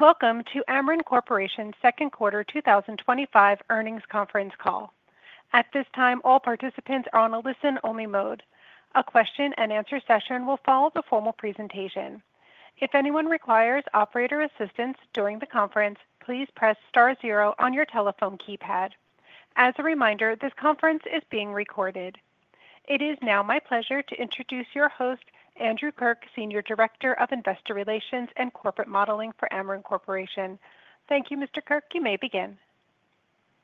Welcome to Ameren Corporation second quarter 2025 earnings conference call. At this time, all participants are on a listen-only mode. A question and answer session will follow the formal presentation. If anyone requires operator assistance during the conference, please press star zero on your telephone keypad. As a reminder, this conference is being recorded. It is now my pleasure to introduce your host, Andrew Kirk, Senior Director of Investor Relations for Ameren Corporation. Thank you, Mr. Kirk, you may begin.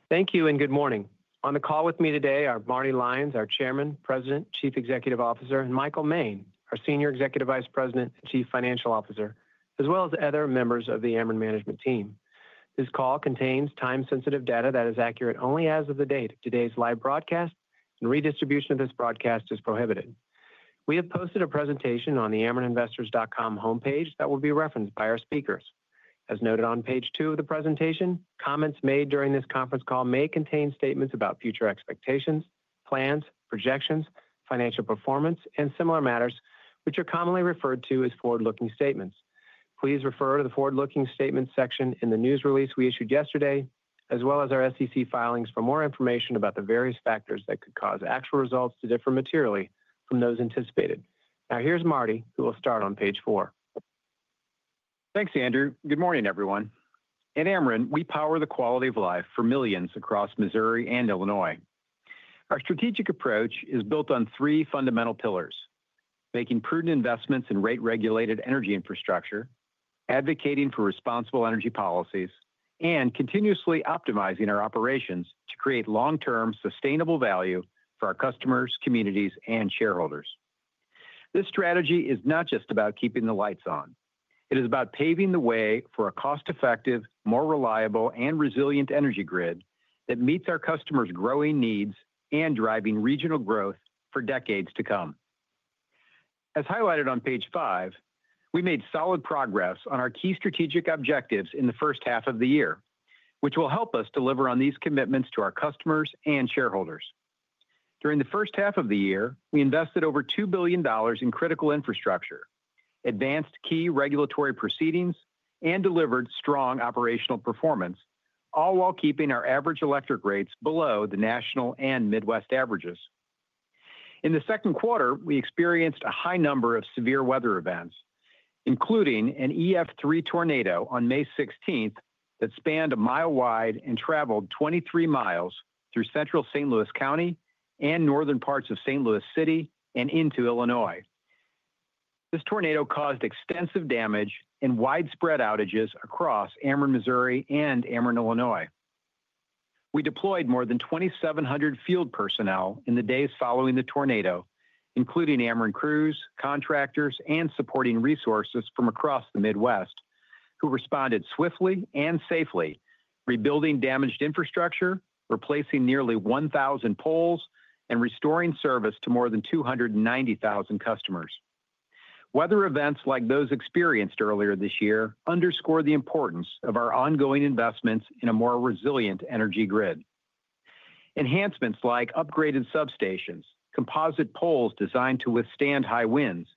Thank you and good morning. On the call with me today are Marty Lyons, our Chairman, President, Chief Executive Officer, and Michael Moehn, our Senior Executive Vice President, Chief Financial Officer, as well as other members of the Ameren management team. This call contains time-sensitive data that is accurate only as of the date of today's live broadcast, and redistribution of this broadcast is prohibited. We have posted a presentation on the amereninvestors.com homepage that will be referenced by our speakers. As noted on page two of the presentation, comments made during this conference call may contain statements about future expectations, plans, projections, financial performance, and similar matters which are commonly referred to as forward-looking statements. Please refer to the forward-looking statements section in the news release we issued yesterday, as well as our SEC filings, for more information about the various factors that could cause actual results to differ materially from those anticipated. Now here's Marty, who will start on page four. Thanks, Andrew. Good morning, everyone. At Ameren, we power the quality of life for millions across Missouri and Illinois. Our strategic approach is built on three fundamentals: making prudent investments in rate-regulated energy infrastructure, advocating for responsible energy policies, and continuously optimizing our operations to create long-term sustainable value for our customers, communities, and shareholders. This strategy is not just about keeping the lights on. It is about paving the way for a cost-effective, more reliable, and resilient energy grid that meets our customers' growing needs and driving regional growth for decades to come. As highlighted on page five, we made solid progress on our key strategic objectives in the first half of the year, which will help us deliver on these commitments to our customers and shareholders. During the first half of the year, we invested over $2 billion in critical infrastructure, advanced key regulatory proceedings, and delivered strong operational performance, all while keeping our average electric rates below the national and Midwest averages. In the second quarter, we experienced a high number of severe weather events, including an EF3 tornado on May 16 that spanned a mile wide and traveled 23 miles through central St. Louis County and northern parts of St. Louis City and into Illinois. This tornado caused extensive damage and widespread outages across Ameren Missouri and Ameren Illinois. We deployed more than 2,700 field personnel in the days following the tornado, including Ameren crews, contractors, and supporting resources from across the Midwest who responded swiftly and safely, rebuilding damaged infrastructure, replacing nearly 1,000 poles, and restoring service to more than 290,000 customers. Weather events like those experienced earlier this year underscore the importance of our ongoing investments in a more resilient energy grid. Enhancements like upgraded substations, composite poles designed to withstand high winds,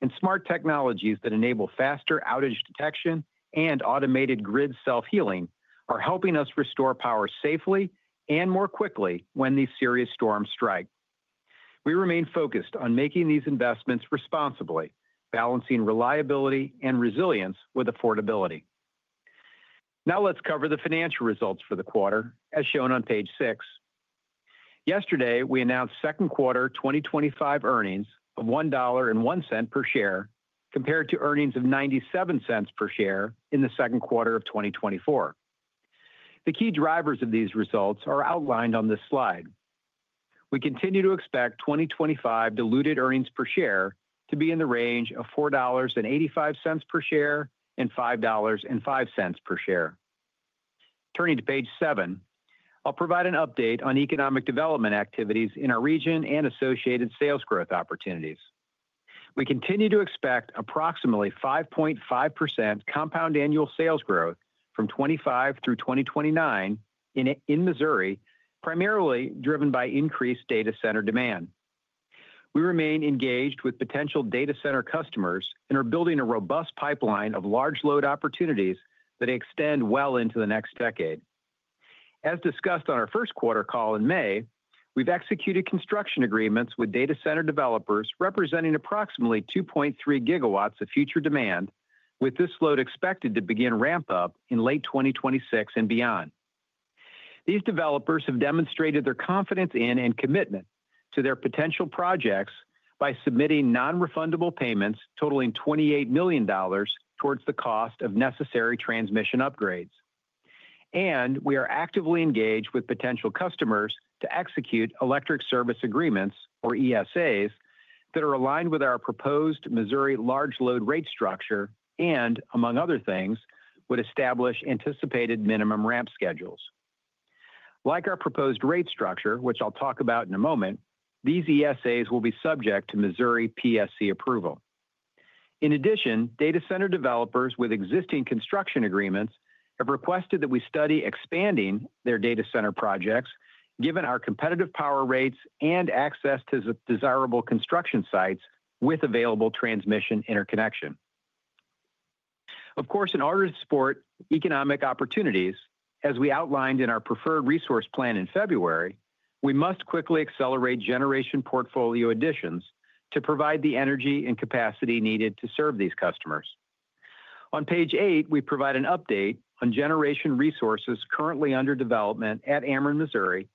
and smart technologies that enable faster outage detection and automated grid self-healing are helping us restore power safely and more quickly when these serious storms strike. We remain focused on making these investments responsibly, balancing reliability and resilience with affordability. Now let's cover the financial results for the quarter as shown on page six. Yesterday we announced second quarter 2025 earnings of $1.01 per share compared to earnings of $0.97 per share in the second quarter of 2024. The key drivers of these results are outlined on this slide. We continue to expect 2025 diluted earnings per share to be in the range of $4.85 per share and $5.05 per share. Turning to page seven, I'll provide an update on economic development activities in our region and associated sales growth opportunities. We continue to expect approximately 5.5% compound annual sales growth from 2025 through 2029 in Missouri, primarily driven by increased data center demand. We remain engaged with potential data center customers and are building a robust pipeline of large load opportunities that extend well into the next decade. As discussed on our first quarter call in May, we've executed construction agreements with data center developers representing approximately 2.3 GW of future demand, with this load expected to begin ramp up in late 2026 and beyond. These developers have demonstrated their confidence in and commitment to their potential projects by submitting non-refundable payments totaling $28 million towards the cost of necessary transmission upgrades. We are actively engaged with potential customers to execute electric service agreements or ESAs that are aligned with our proposed Missouri large load rate structure and, among other things, would establish anticipated minimum ramp schedules. Like our proposed rate structure, which I'll talk about in a moment, these ESAs will be subject to Missouri PSC approval. In addition, data center developers with existing construction agreements have requested that we study expanding their data center projects given our competitive power rates and access to desirable construction sites with available transmission interconnection. In order to support economic opportunities as we outlined in our Preferred Resource Plan in February, we must quickly accelerate generation portfolio additions to provide the energy and capacity needed to serve these customers. On page eight, we provide an update on generation resources currently under development at Ameren Missouri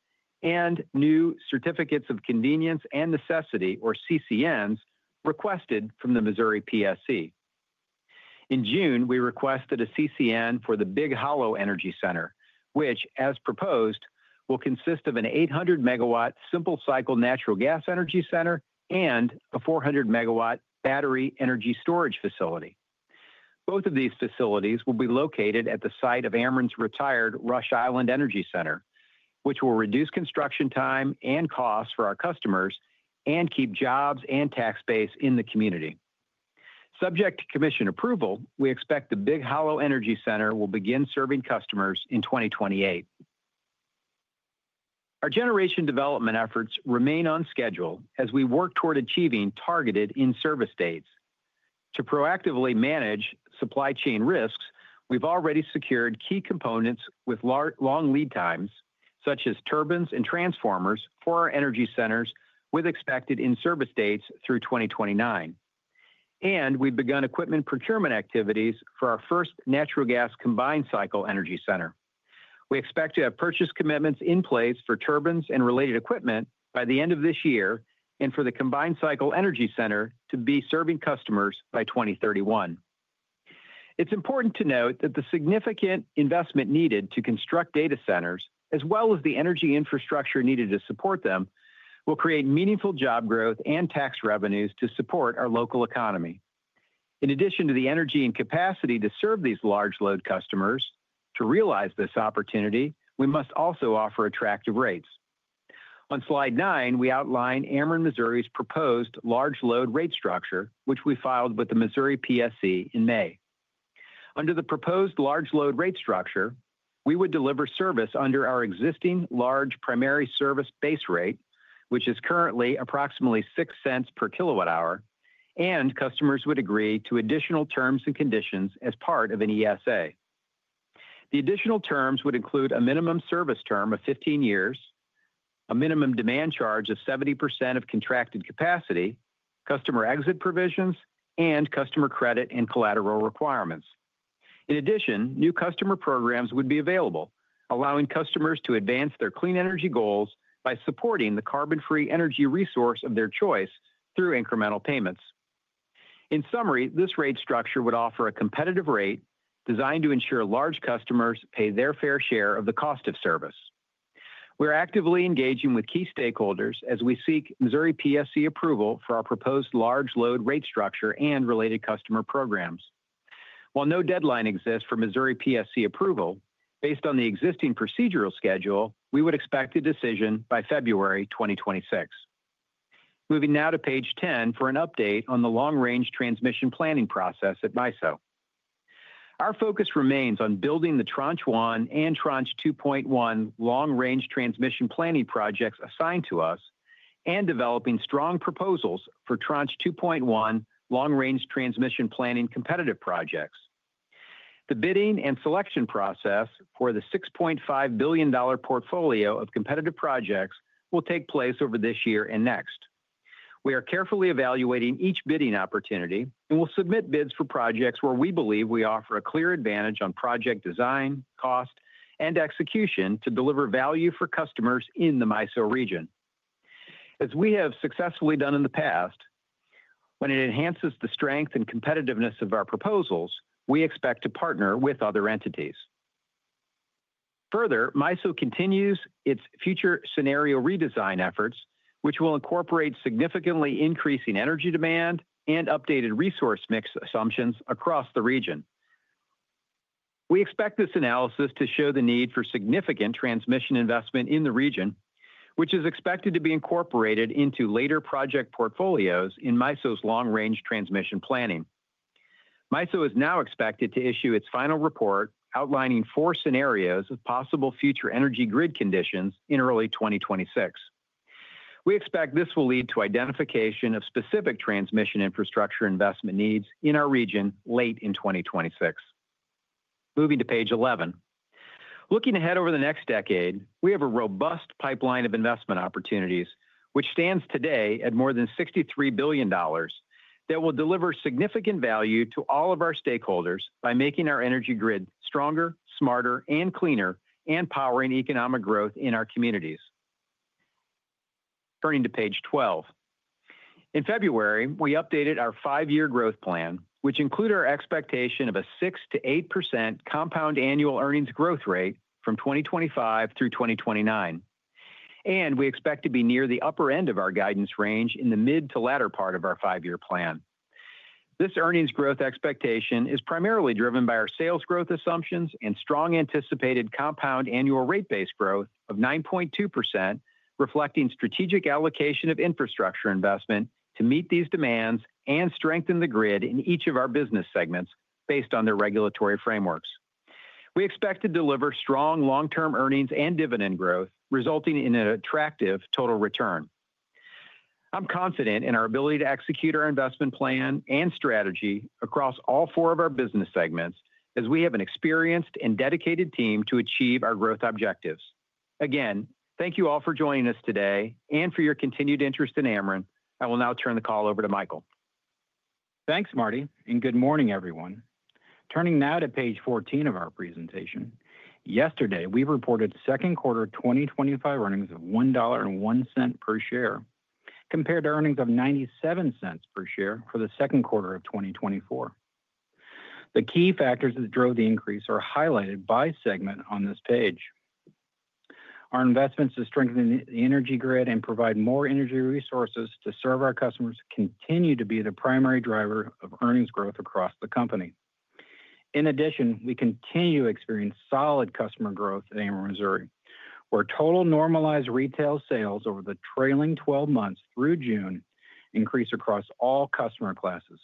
and new Certificates of Convenience and Necessity, or CCNs, requested from the Missouri PSC. In June, we requested a CCN for the Big Hollow Energy Center, which as proposed will consist of an 800 MW simple cycle natural gas energy center and a 400 MW battery storage facility. Both of these facilities will be located at the site of Ameren's retired Rush Island Energy Center, which will reduce construction time and costs for our customers and keep jobs and tax base in the community, subject to commission approval. We expect the Big Hollow Energy Center will begin serving customers in 2028. Our generation development efforts remain on schedule as we work toward achieving targeted in-service dates to proactively manage supply chain risks. We've already secured key components with long lead times, such as turbines and transformers, for our energy centers with expected in-service dates through 2029, and we've begun equipment procurement activities for our first natural gas combined cycle energy center. We expect to have purchase commitments in place for turbines and related equipment by the end of this year and for the combined cycle energy center to be serving customers by 2031. It's important to note that the significant investment needed to construct data centers, as well as the energy infrastructure needed to support them, will create meaningful job growth and tax revenues to support our local economy in addition to the energy and capacity to serve these large load customers. To realize this opportunity, we must also offer attractive rates. On slide nine, we outline Ameren Missouri's proposed large load rate structure, which we filed with the Missouri PSC in May. Under the proposed large load rate structure, we would deliver service under our existing large primary service base rate, which is currently approximately $0.06 per kWh, and customers would agree to additional terms and conditions as part of an ESA. The additional terms would include a minimum service term of 15 years, a minimum demand charge of 70% of contracted capacity, customer exit provisions, and customer credit and collateral requirements. In addition, new customer programs would be available, allowing customers to advance their clean energy goals by supporting the carbon-free energy resource of their choice through incremental payments. In summary, this rate structure would offer a competitive rate designed to ensure large customers pay their fair share of the cost of service. We're actively engaging with key stakeholders as we seek Missouri PSC approval for our proposed large load rate structure and related customer programs. While no deadline exists for Missouri PSC approval, based on the existing procedural schedule, we would expect a decision by February 2026. Moving now to page 10 for an update on the long-range transmission planning process at MISO. Our focus remains on building the Tranche 1 and Tranche 2.1 Long Range Transmission Planning projects assigned to us and developing strong proposals for Tranche 2.1 Long Range Transmission Planning competitive projects. The bidding and selection process for the $6.5 billion portfolio of competitive projects will take place over this year and next. We are carefully evaluating each bidding opportunity and will submit bids for projects where we believe we offer a clear advantage on project design, cost, and execution to deliver value for customers in the MISO region as we have successfully done in the past. When it enhances the strength and competitiveness of our proposals, we expect to partner with other entities. Further, MISO continues its future scenario redesign efforts, which will incorporate significantly increasing energy demand and updated resource mix assumptions across the region. We expect this analysis to show the need for significant transmission investment in the region, which is expected to be incorporated into later project portfolios in MISO's Long Range Transmission Planning. MISO is now expected to issue its final report outlining four scenarios of possible future energy grid conditions in early 2026. We expect this will lead to identification of specific transmission infrastructure investment needs in our region late in 2026. Moving to page 11, looking ahead over the next decade, we have a robust pipeline of investment opportunities which stands today at more than $63 billion that will deliver significant value to all of our stakeholders by making our energy grid stronger, smarter, and cleaner, and powering economic growth in our communities. Turning to page 12, in February we updated our five-year growth plan which includes our expectation of a 6% to 8% compound annual earnings growth rate from 2025 through 2029, and we expect to be near the upper end of our guidance range in the mid to latter part of our five-year plan. This earnings growth expectation is primarily driven by our sales growth assumptions and strong anticipated compound annual rate base growth of 9.2%, reflecting strategic allocation of infrastructure investment to meet these demands and strengthen the grid in each of our business segments. Based on their regulatory frameworks, we expect to deliver strong long-term earnings and dividend growth resulting in an attractive total return. I'm confident in our ability to execute our investment plan and strategy across all four of our business segments as we have an experienced and dedicated team to achieve our growth objectives. Again, thank you all for joining us today and for your continued interest in Ameren. I will now turn the call over. To Michael. Thanks Marty and good morning everyone. Turning now to page 14 of our presentation, yesterday we reported second quarter 2025 earnings of $1.01 per share compared to earnings of $0.97 per share for the second quarter of 2024. The key factors that drove the increase are highlighted by segment on this page. Our investments to strengthen the energy grid and provide more energy resources to serve our customers continue to be the primary driver of earnings growth across the company. In addition, we continue to experience solid customer growth at Ameren Missouri where total normalized retail sales over the trailing twelve months through June increase across all customer classes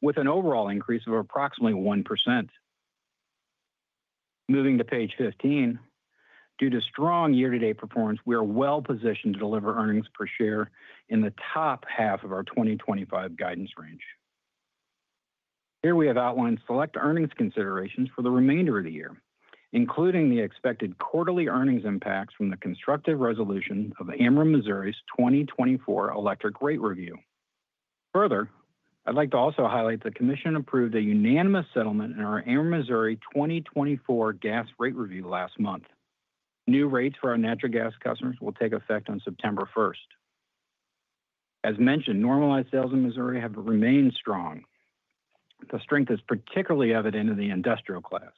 with an overall increase of approximately 1%. Moving to page 15, due to strong year to date performance, we are well positioned to deliver earnings per share in the top half of our 2025 guidance range. Here we have outlined select earnings considerations for the remainder of the year, including the expected quarterly earnings impacts from the constructive resolution of Ameren Missouri's 2024 electric rate review. Further, I'd like to also highlight the Commission approved a unanimous settlement in our Ameren Missouri 2024 gas rate review last month. New rates for our natural gas customers will take effect on September 1. As mentioned, normalized sales in Missouri have remained strong. The strength is particularly evident in the industrial class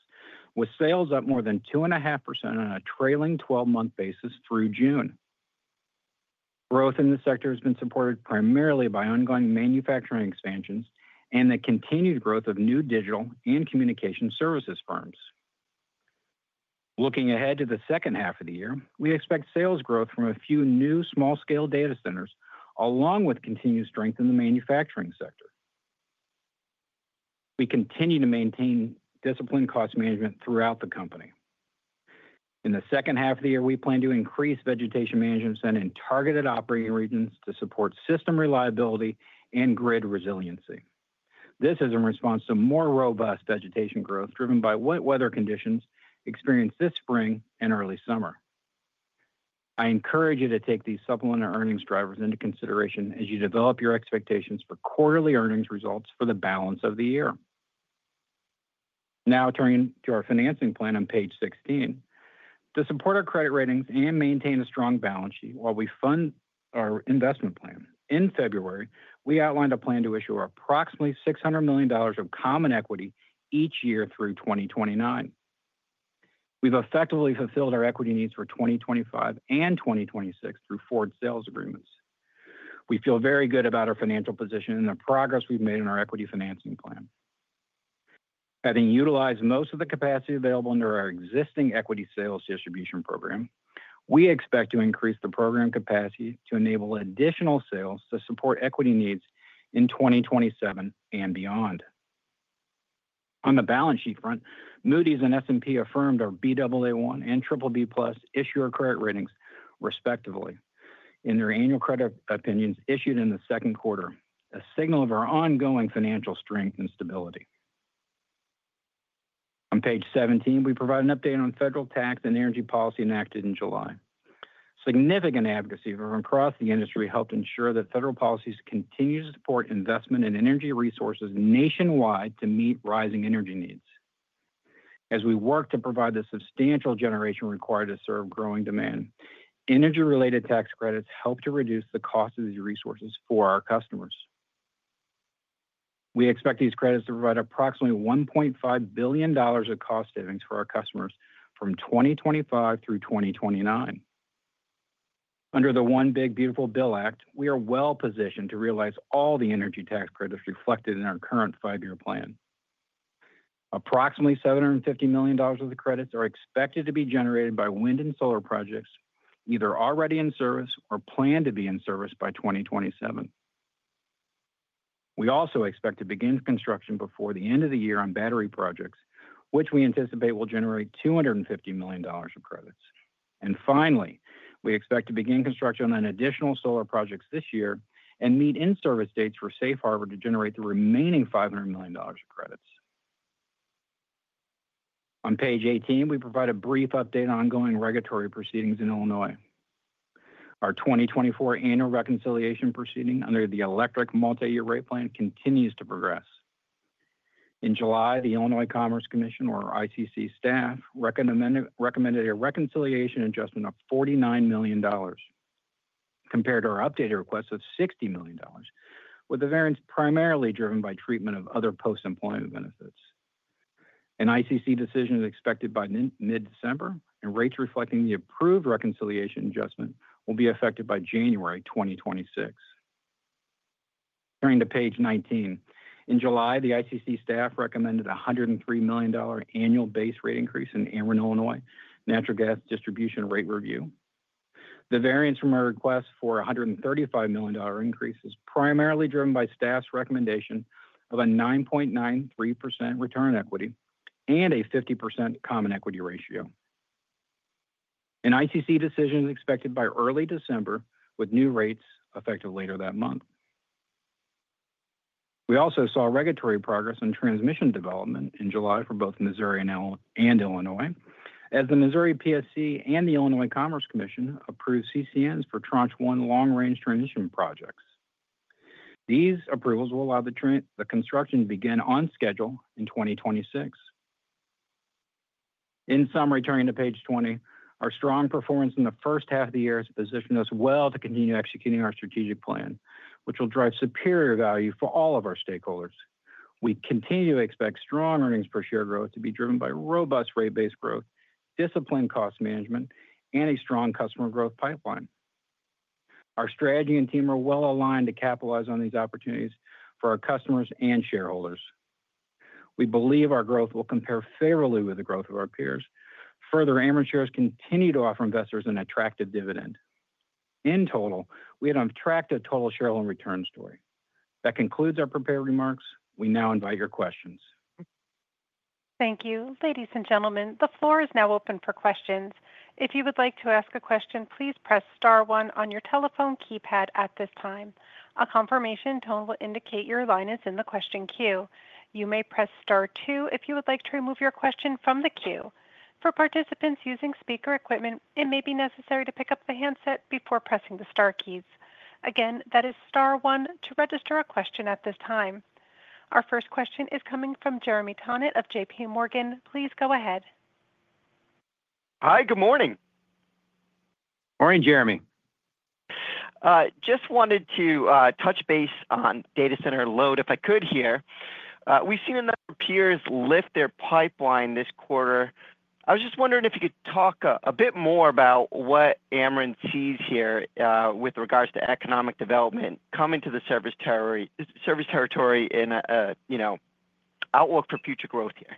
with sales up more than 2.5% on a trailing twelve month basis through June. Growth in the sector has been supported primarily by ongoing manufacturing expansions and the continued growth of new digital and communication services firms. Looking ahead to the second half of the year, we expect sales growth from a few new small scale data centers along with continued strength in the manufacturing sector. We continue to maintain disciplined cost management throughout the company. In the second half of the year, we plan to increase vegetation management in targeted operating regions to support system reliability and grid resiliency. This is in response to more robust vegetation growth driven by wet weather conditions experienced this spring and early summer. I encourage you to take these supplemental earnings drivers into consideration as you develop your expectations for quarterly earnings results for the balance of the year. Now turning to our financing plan on page 16 to support our credit ratings and maintain a strong balance sheet while we fund our investment plan. In February, we outlined a plan to issue approximately $600 million of common equity each year through 2029. We've effectively fulfilled our equity needs for 2025 and 2026 through forward sales agreements. We feel very good about our financial position and the progress we've made in our equity financing planning. Having utilized most of the capacity available under our existing equity sales distribution program, we expect to increase the program capacity to enable additional sales to support equity needs in 2027 and beyond. On the balance sheet front, Moody’s and S&P affirmed our Baa1 and BBB+ issuer credit ratings respectively in their annual credit opinions issued in the second quarter, a signal of our ongoing financial strength and stability. On page 17 we provide an update on federal tax and energy policy enacted in July. Significant advocacy from across the industry helped ensure that federal policies continue to support investment in energy resources nationwide to meet rising energy needs as we work to provide the substantial generation required to serve growing demand. Energy-related tax credits help to reduce the cost of these resources for our customers. We expect these credits to provide approximately $1.5 billion of cost savings for our customers from 2025 through 2029 under the One Big Beautiful Bill Act. We are well positioned to realize all the energy tax credits reflected in our current five-year plan. Approximately $750 million of the credits are expected to be generated by wind and solar projects either already in service or planned to be in service by 2027. We also expect to begin construction before the end of the year on battery storage projects which we anticipate will generate $250 million of credits. Finally, we expect to begin construction on additional solar projects this year and meet in-service dates for safe harbor to generate the remaining $500 million credits. On page 18 we provide a brief update on ongoing regulatory proceedings in Illinois. Our 2024 annual reconciliation proceeding under the electric Multi-Year Rate Plan continues to progress. In July, the Illinois Commerce Commission or ICC staff recommended a reconciliation adjustment of $49 million compared to our updated request of $60 million, with the variance primarily driven by treatment of other post-employment benefits. An ICC decision is expected by mid-December, and rates reflecting the approved reconciliation adjustment will be effective by January 2026. Turning to page 19, in July the ICC staff recommended a $103 million annual base rate increase in Ameren Illinois natural gas distribution rate review. The variance from our request for a $135 million increase is primarily driven by staff's recommendation of a 9.93% return on equity and a 50% common equity ratio. An ICC decision is expected by early December, with new rates effective later that month. We also saw regulatory progress in transmission development in July for both Missouri and Illinois, as the Missouri PSC and the Illinois Commerce Commission approved CCNs for Tranche 1 Long-Range Transmission projects. These approvals will allow the construction to begin on schedule in 2026. In summary, turning to page 20, our strong performance in the first half of the year has positioned us well to continue executing our strategic plan, which will drive superior value for all of our stakeholders. We continue to expect strong earnings per share growth to be driven by robust rate base growth, disciplined cost management, and a strong customer growth pipeline. Our strategy and team are well aligned to capitalize on these opportunities for our customers and shareholders. We believe our growth will compare favorably with the growth of our peers. Further, Ameren continues to offer investors an attractive dividend. In total, we have a track to total shareholder return story. That concludes our prepared remarks. We now invite your questions. Thank you, ladies and gentlemen. The floor is now open for questions. If you would like to ask a question, please press star one on your telephone keypad at this time. A confirmation tone will indicate your line is in the question queue. You may press star two if you would like to remove your question from the queue. For participants using speaker equipment, it may be necessary to pick up the handset before pressing the star keys again. That is star one to register a question at this time. Our first question is coming from Jeremy Tonet of JPMorgan. Please go ahead. Hi, good morning. Morning, Jeremy. Just wanted to touch base on data center load if I could here. We've seen enough peers lift their pipeline this quarter. I was just wondering if you could talk a bit more about what Ameren sees here with regards to economic development coming to the service territory in outlook. For future growth here.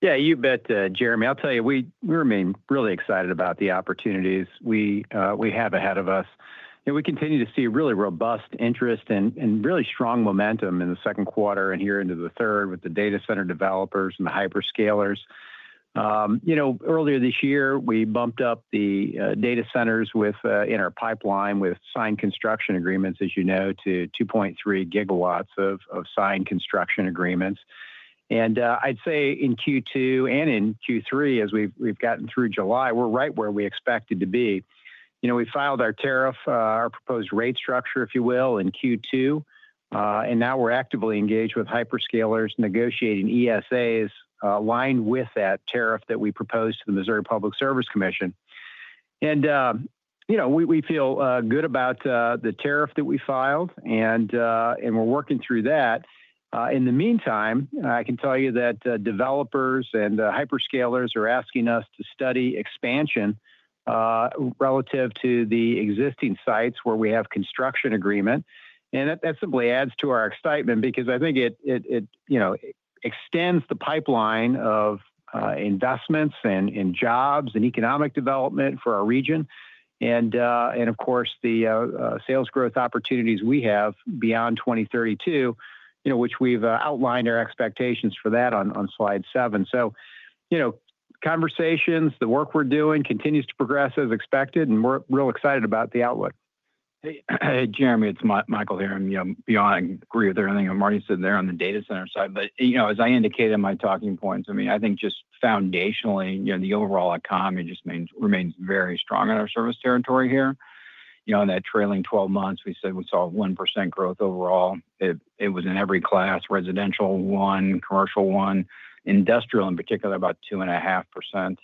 Yeah, you bet, Jeremy. I'll tell you, we remain really excited about the opportunities we have ahead of us. We continue to see really robust interest and really strong momentum in the second quarter and here into the third with the data center developers and the hyperscalers. Earlier this year we bumped up the data centers in our pipeline with signed construction agreements, as you know, to 2.3 GW of signed construction agreements. I'd say in Q2 and in Q3, as we've gotten through July, we're right where we expected to be. We filed our tariff, our proposed rate structure, if you will, in Q2. Now we're actively engaged with hyperscalers negotiating ESAs aligned with that tariff that we proposed to the Missouri Public Service Commission. We feel good about the tariff that we filed and we're working through that. In the meantime, I can tell you that developers and hyperscalers are asking us to study expansion relative to the existing sites where we have construction agreement. That simply adds to our excitement because I think it extends the pipeline of investments and in jobs and economic development for our region. Of course, the sales growth opportunities we have beyond 2032, which we've outlined our expectations for that on slide seven. Conversations and the work we're doing continues to progress as expected and we're real excited about the outlook. Hey Jeremy, it's Michael here and you know, beyond agree with everything Marty said there on the data center side. As I indicated in my talking points, I mean I think just foundationally, the overall economy just remains very strong in our service territory here. In that trailing 12 months we said we saw 1% growth overall. It was in every class, residential, 1% commercial, 1% industrial, in particular about 2.5%.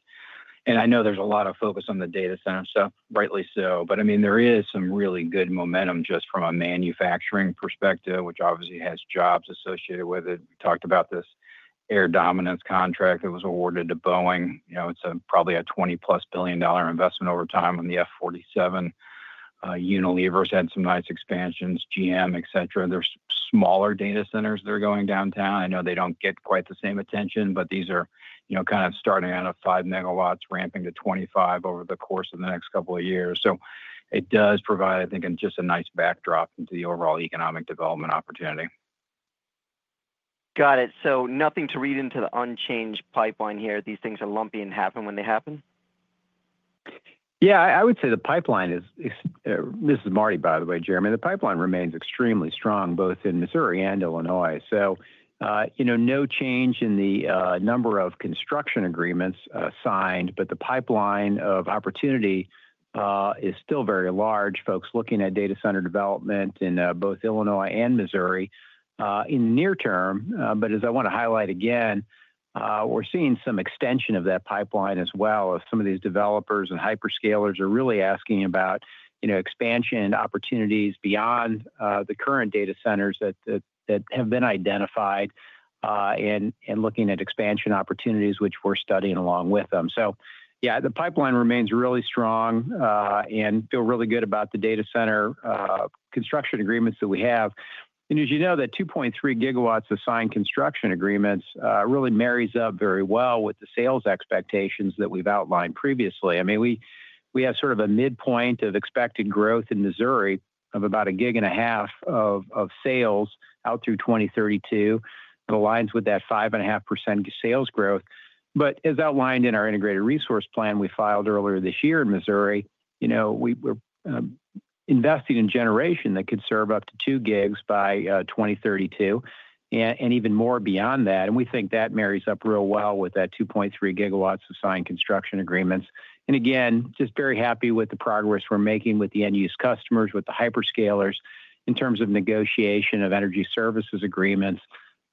I know there's a lot of focus on the data center stuff, rightly so, but I mean there is some really good momentum just from a manufacturing perspective which obviously has jobs associated with it. We talked about this air dominance contract that was awarded to Boeing. It's probably a $20 billion plus investment over time. On the F47. Unilever had some nice expansions, GM, et cetera. There are smaller data centers that are going, I know they don't get quite the same attention, but these are kind of starting out at 5 MW, ramping to 25 MW over the course of the next couple of years. It does provide, I think, just a nice backdrop into the overall economic development opportunity. Got it. Nothing to read into the unchanged pipeline here. These things are lumpy and happen when they happen. I would say the pipeline is. This is Marty, by the way, Jeremy. The pipeline remains extremely strong both in Missouri and Illinois. No change in the number of construction agreements signed, but the pipeline of opportunity is still very large, folks looking at data center development in both Illinois and Missouri in the near term. I want to highlight again, we're seeing some extension of that pipeline as well as some of these developers and hyperscalers are really asking about expansion opportunities beyond the current data centers that have been identified and looking at expansion opportunities which we're studying along with them. The pipeline remains really strong and feel really good about the data center construction agreements that we have. As you know, that 2.3 GW of signed construction agreements really marries up very well with the sales expectations that we've outlined previously. We have sort of a midpoint of expected growth in Missouri of about a gig and a half of sales out through 2032, aligns with that 5.5% sales growth. As outlined in our Integrated Resource Plan we filed earlier this year in Missouri, we're investing in generation that could serve up to 2 GW by 2032 and even more beyond that. We think that marries up real well with that 2.3 GW of signed construction agreements and just very happy with the progress we're making with the end use customers, with the hyperscalers in terms of negotiation of energy service agreements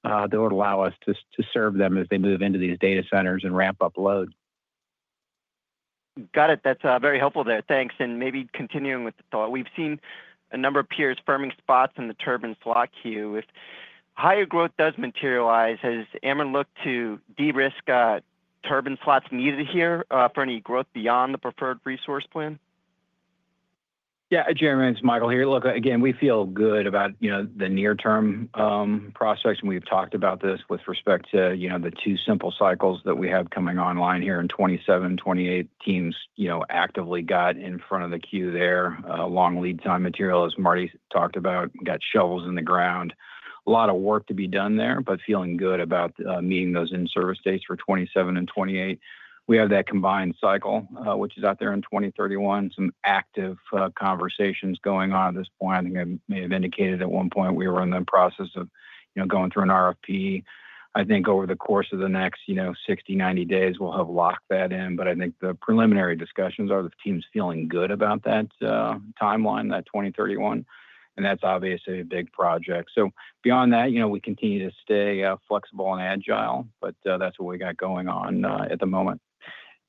that would allow us to serve them as they move into these data centers and ramp up load. Got it. That's very helpful there, thanks. Maybe continuing with the thought, we've seen a number of peers firming spots in the turbine slot queue. If higher growth does materialize, does Ameren look to de-risk turbine slots needed here for any growth beyond the Preferred Resource Plan? Yeah, Jeremy, it's Michael here. Look, we feel good about, you know, the near-term prospects and we've talked about this with respect to, you know, the two simple cycles that we have coming online here in 2027, 2028. Teams, you know, actively got in front of the queue there. Long lead time material, as Marty talked about, got shovels in the ground, a lot of work to be done there. Feeling good about meeting those in-service dates for 2027 and 2028. We have that combined cycle which is out there in 2031. Some active conversations going on at this point. I think I may have indicated at one point we were in the process of going through an RFP. I think over the course of the next 60, 90 days we'll have locked that in. The preliminary discussions are the team's feeling good about that timeline, that 2031, and that's obviously a big project. Beyond that we continue to stay flexible and agile. That's what we got going on at the moment.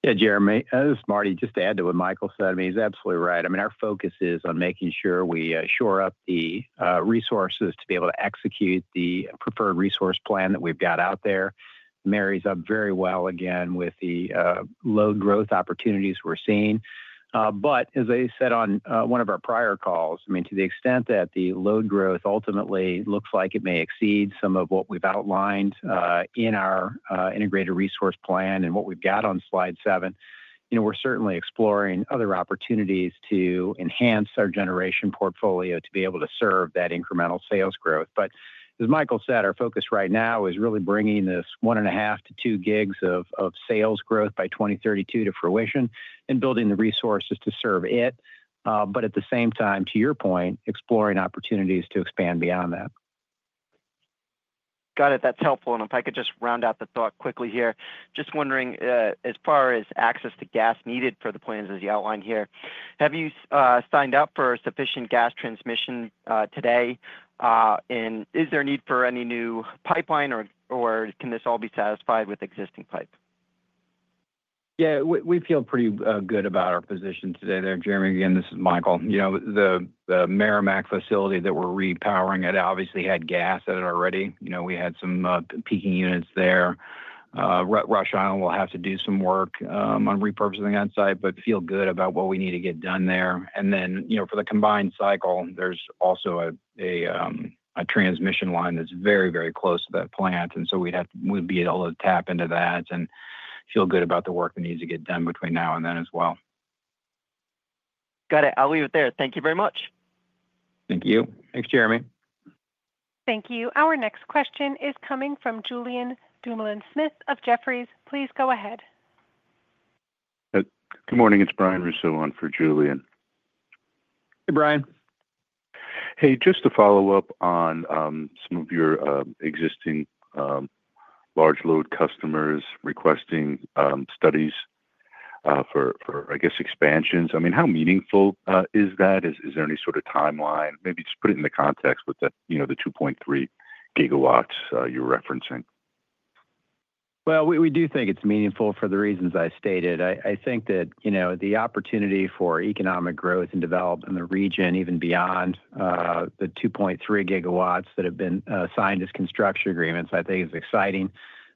Yeah, Jeremy. Marty, just to add to what Michael said, he's absolutely right. Our focus is on making sure we shore up the resources to be able to execute the preferred resource plan that we've got out there, marries up very well again with the load growth opportunities we're seeing. As I said on one of our prior calls, to the extent that the load growth ultimately looks like it may exceed some of what we've outlined in our Integrated Resource Plan and what we've got on slide seven, we're certainly exploring other opportunities to enhance our generation portfolio to be able to serve that incremental sales growth. As Michael said, our focus right now is really bringing this 1.5 to 2 GW of sales growth by 2032 to fruition and building the resources to serve it. At the same time, to your point, exploring opportunities to expand beyond that. Got it. That's helpful. If I could just round out. The thought quickly here. Just wondering, as far as access to gas needed for the plans as you outlined here, have you signed up for sufficient gas transmission today, and is there need for any new pipeline, or can this all be satisfied with existing pipe? Yeah, we feel pretty good about our position today there, Jeremy. Again, this is Michael. You know the Meramec facility that we're repowering, it obviously had gas at it already. You know, we had some peaking units there. Rush Island will have to do some work on repurposing that site, but feel good about what we need to get done there. For the combined site, there's also a transmission line that's very, very close to that plant, so we'd be able to tap into that and feel good about the work that needs to get done between now and then as well. Got it. I'll leave it there. Thank you very much. Thank you. Thanks Jeremy. Thank you. Our next question is coming from Julien Dumoulin Smith of Jefferies. Please go ahead. Good morning, it's Brian J. Russo on for Julien. Hey, Brian. Hey, just to follow up on some of your existing large load customers requesting studies for, I guess, expansions. How meaningful is that? Is there any sort of timeline? Maybe just put it in the context. With that, the 2.3 GW you're referencing? It is meaningful for the reasons I stated. I think that the opportunity for economic growth and development in the region, even beyond the 2.3 GW that have been signed as construction agreements, is exciting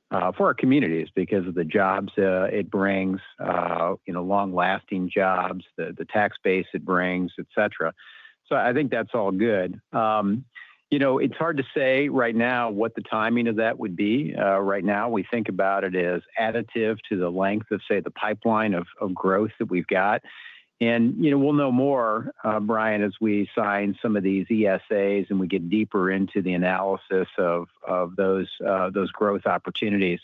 for our communities because of the jobs it brings, long-lasting jobs, the tax base it brings, etc. I think that's all good. It's hard to say right now what the timing of that would be. Right now we think about it as additive to the length of, say, the pipeline of growth that we've got. We'll know more, Brian, as we sign some of these ESAs and we get deeper into the analysis of those growth opportunities.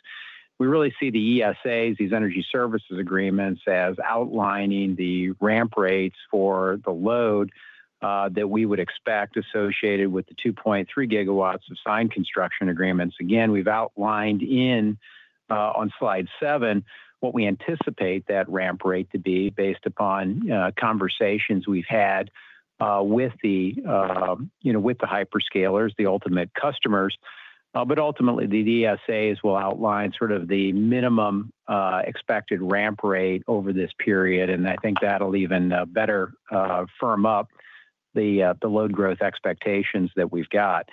We really see the ESAs, these energy service agreements, as outlining the ramp rates for the load that we would expect associated with the 2.3 GW of signed construction agreements. We've outlined on slide seven what we anticipate that ramp rate to be based upon conversations we've had with the hyperscalers, the ultimate customers. Ultimately, the ESAs will outline the minimum expected ramp rate over this period. I think that'll even better firm up the load growth expectations that we've got.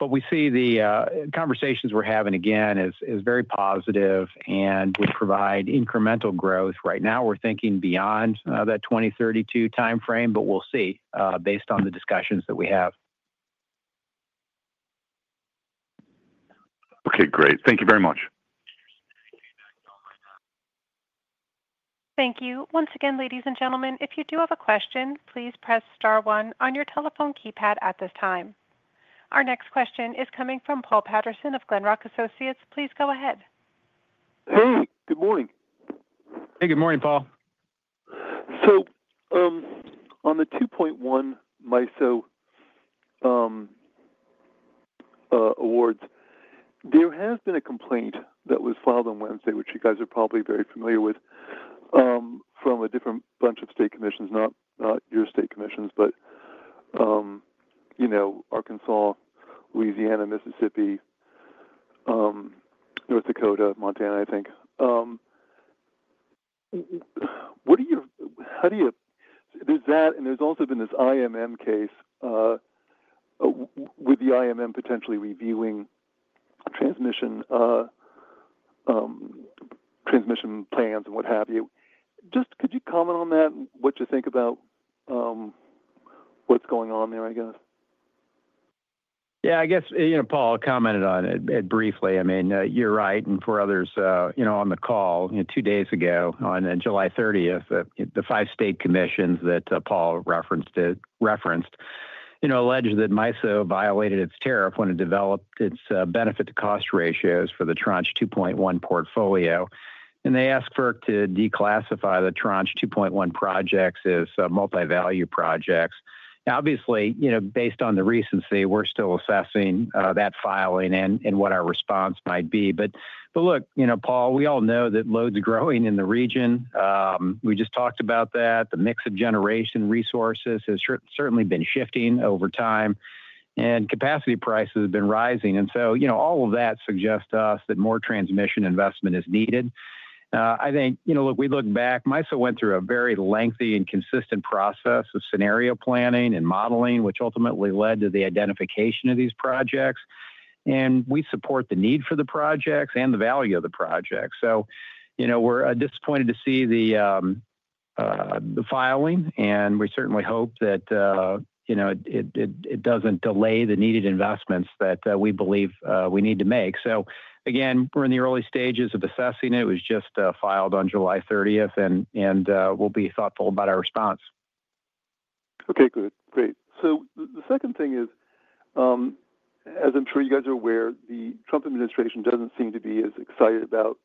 We see the conversations we're having as very positive and would provide incremental growth. Right now, we're thinking beyond that 2032 time frame, but we'll see based on the discussions that we have. Okay, great. Thank you very much. Thank you. Once again, ladies and gentlemen, if you do have a question, please press star one on your telephone keypad at this time. Our next question is coming from Paul Patterson of Glenrock Associates. Please go ahead. Hey, good morning. Good morning, Paul. On the $2.1 billion MISO awards, there has been a complaint that was filed on Wednesday, which you guys are probably very familiar with from a different bunch of state commissions, not your state commissions, but, you know, Arkansas, Louisiana, Mississippi, North Dakota, Montana, I think. What do you, how do you. There's that and there's also been this IMM case with the IMM potentially reviewing transmission plans and what have you. Just. Could you comment on that, what you think about what's going on there? I guess Paul commented on it briefly. I mean, you're right. For others on the call, two days ago, on July 30, the five state commissions that Paul referenced alleged that MISO violated its tariff when it developed its benefit to cost ratios for the Tranche 2.1 portfolio. They asked FERC to declassify the Tranche 2.1 projects as multivalue projects. Obviously, based on the recency, we're still assessing that filing and what our response might be. Paul, we all know that load's growing in the region. We just talked about that. The mix of generation resources has certainly been shifting over time and capacity prices have been rising. All of that suggests to us that more transmission investment is needed. We look back, MISO went through a very lengthy and consistent process of scenario planning and modeling which ultimately led to the identification of these projects. We support the need for the projects and the value of the project. We're disappointed to see the filing and we certainly hope that it doesn't delay the needed investments that we believe we need to make. Again, we're in the early stages of assessing. It was just filed on July 30, and we'll be thoughtful about our response. Okay, good. Great. The second thing is, as I'm sure you guys are aware, the Trump administration doesn't seem to be as excited about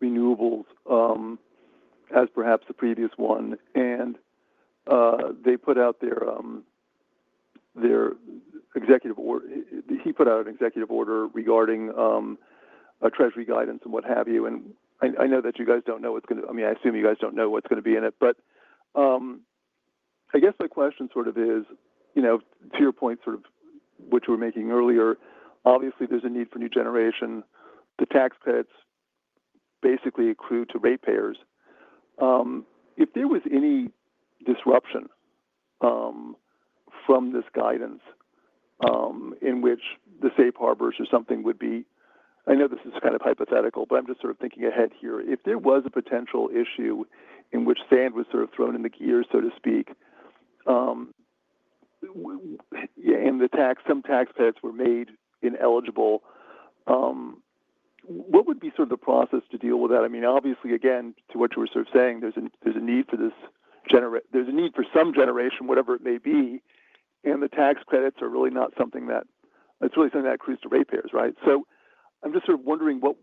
renewables as perhaps the previous one. They put out their executive order. He put out an executive order regarding treasury guidance and what have you. I know that you guys don't know what's going to, I mean, I assume you guys don't know what's going to be in it, but I guess my question sort of is, to your point, sort of what you were making earlier, obviously there's a need for new generation. The tax credits basically accrue to ratepayers. If there was any disruption from this guidance in which the safe harbors or something would be. I know this is kind of hypothetical, but I'm just sort of thinking ahead here. If there was a potential issue in which sand was sort of thrown in the gear, so to speak, and some tax credits were made ineligible, what would be the process to deal with that? Obviously, again, to what you were sort of saying, there's a need for this generation, there's a need for some generation, whatever it may be. The tax credits are really not something that, it's really something that accrues to ratepayers. Right. I'm just sort of wondering, do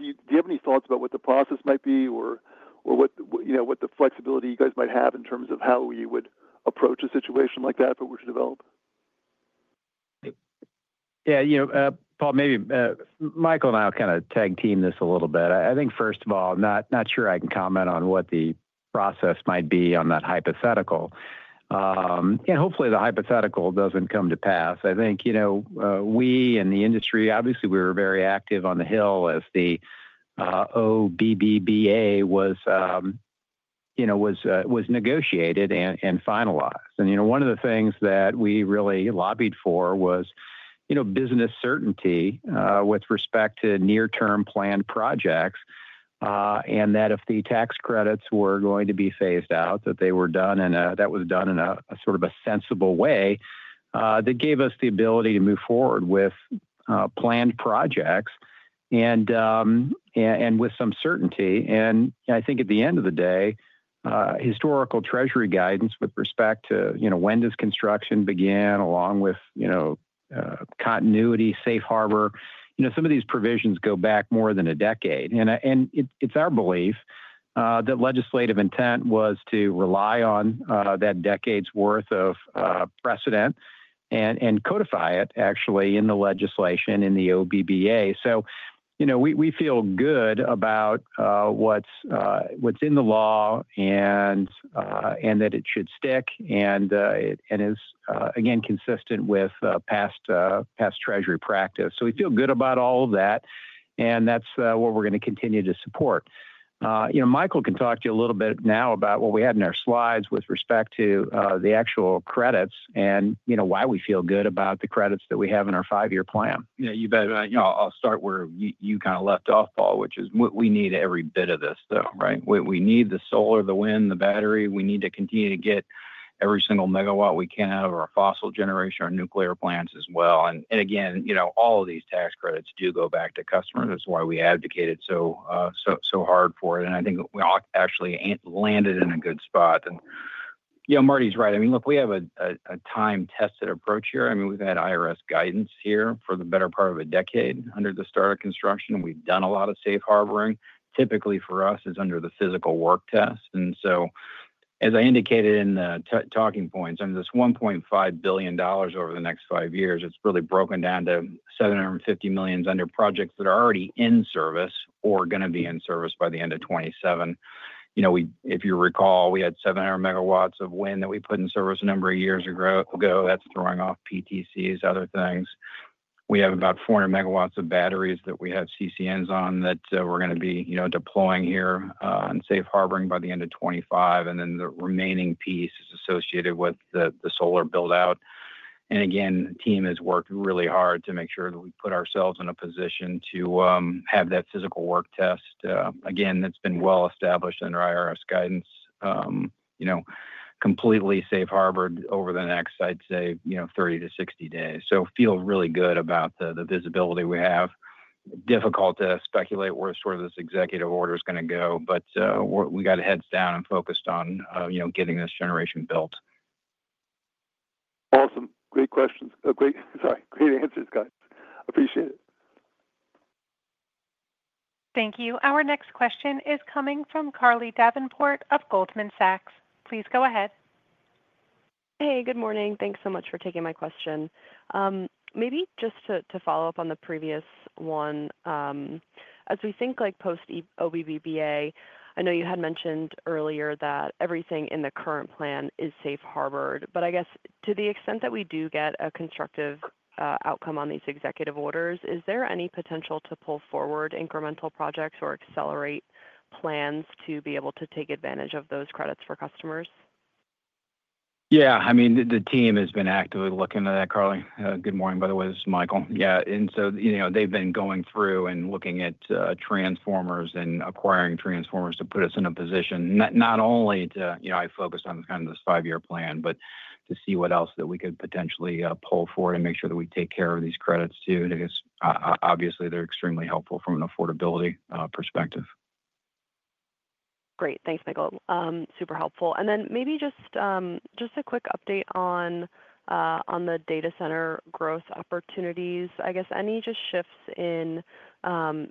you have any thoughts about what the process might be or what the flexibility you guys might have in terms of how we would approach a situation like that for which to develop? Yeah. You know, Paul, maybe Michael and I will kind of tag team this a little bit. First of all, not sure I can comment on what the process might be on that hypothetical. Hopefully the hypothetical doesn't come to pass. I think, you know, we and the industry obviously, we were very active on the Hill as the OBBBA was negotiated and finalized. One of the things that we really lobbied for was business certainty with respect to near term planned projects and that if the tax credits were going to be phased out, that they were done and that was done in a sort of a sensible way that gave us the ability to move forward with planned projects and with some certainty. At the end of the day, historical Treasury guidance with respect to when does construction begin along with continuity, safe harbor, some of these provisions go back more than a decade. It's our belief that legislative intent was to rely on that decade's worth of precedent and codify it actually in the legislation in the OBBBA. We feel good about what's in the law and that it should stick and is again, consistent with past Treasury practice. We feel good about all of that and that's what we're going to continue to support. Michael can talk to you a little bit now about what we had in our slides with respect to the actual credits and why we feel good about the credits that we have in our five year plan. Yeah, you bet. I'll start where you kind of left off, Paul, which is we need every bit of this though, right? We need the solar, the wind, the battery. We need to continue to get every single megawatt we can out of our fossil generation, our nuclear plants as well. All of these tax credits do go back to customers. That's why we advocated so hard for it. I think we actually landed in a good spot. Marty's right. I mean, look, we have a time-tested approach here. We've had IRS guidance here for the better part of a decade under the start of construction. We've done a lot of safe harboring, typically for us under the physical work test. As I indicated in the talking points, this $1.5 billion over the next five years is really broken down to $750 million under projects that are already in service or going to be in service by the end of 2027. If you recall, we had 700 MW of wind that we put in service a number of years ago. That's throwing off PTCs, other things. We have about 4 MW of batteries that we have CCNs on that we're going to be deploying here and safe harboring by the end of 2025. The remaining piece is associated with the solar buildout. The team has worked really hard to make sure that we put ourselves in a position to have that physical work test. That's been well established under IRS guidance, completely safe harbor over the next, I'd say, 30 to 60 days. I feel really good about the visibility we have. Difficult to speculate where this executive order is going to go, but we got heads down and focused on getting this generation built. Awesome. Great questions. Sorry. Great answers, guys. Appreciate it. Thank you. Our next question is coming from Carly Davenport of Goldman Sachs. Please go ahead. Hey, good morning. Thanks so much for taking my question. Maybe just to follow up on the previous one as we think like post OBBBA. I know you had mentioned earlier that everything in the current plan is safe harbored, but I guess to the extent that we do get a constructive outcome on these executive orders, is there any potential to pull forward incremental projects or accelerate plans to be able to take advantage of those credits for customers? Yeah, I mean the team has been actively looking at that. Carly, good morning. By the way, this is Michael. They've been going through and looking at transformers and acquiring transformers to put us in a position not only to, you know, I focused on kind of this five-year plan, but to see what else that we could potentially pull for it and make sure that we take care of these credits too. Obviously, they're extremely helpful from an affordability perspective. Great, thanks Michael. Super helpful. Maybe just a quick update on the data center growth opportunities. I guess any just shifts in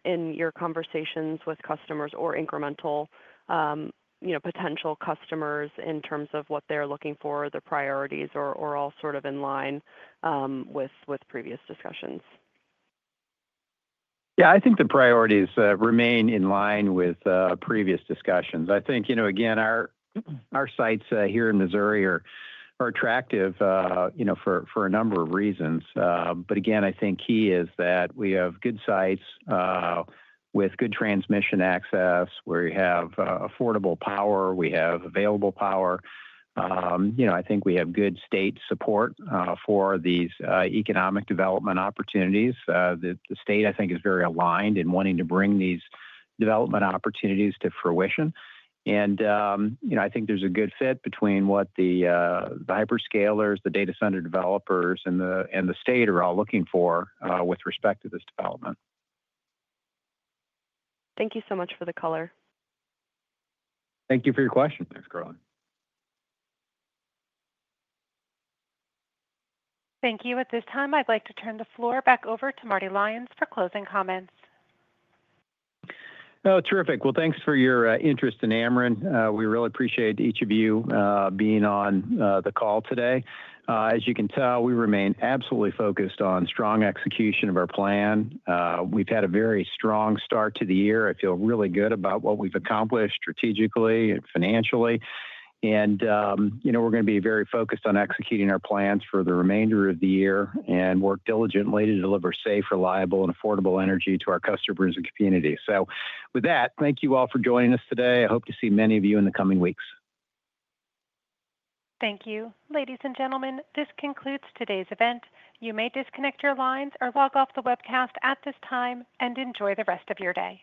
your conversations with customers or incremental potential customers in terms of what they're looking for. The priorities are all sort of in line with previous discussions. I think the priorities remain in line with previous discussions. I think our sites here in Missouri are attractive for a number of reasons. Key is that we have good sites with good transmission access where you have affordable power, we have available power. I think we have good state support for these economic development opportunities. The state is very aligned in wanting to bring these development opportunities to fruition. I think there's a good fit between what the hyperscalers, the data center developers, and the state are all looking for with respect to this development. Thank you so much for the color. Thank you for your question. Thanks, Carla. Thank you. At this time, I'd like to turn the floor back over to Marty Lyons for closing comments. Terrific. Thank you for your interest in Ameren. We really appreciate each of you being on the call today. As you can tell, we remain absolutely focused on strong execution of our plan. We've had a very strong start to the year. I feel really good about what we've accomplished strategically and financially. We're going to be very focused on executing our plans for the remainder of the year and work diligently to deliver safe, reliable, and affordable energy to our customers and communities. Thank you all for joining us today. I hope to see many of you in the coming weeks. Thank you. Ladies and gentlemen, this concludes today's event. You may disconnect your lines or log off the webcast at this time and enjoy the rest of your day.